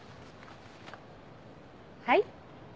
はい。